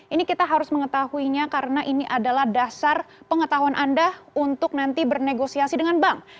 ini kita harus mengetahuinya karena ini adalah dasar pengetahuan anda untuk nanti bernegosiasi dengan bank